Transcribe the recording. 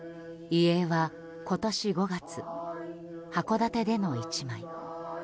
遺影は今年５月函館での１枚。